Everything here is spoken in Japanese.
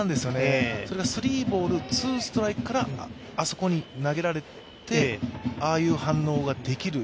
それがスリーボールツーストライクからあそこに投げられて、ああいう反応ができる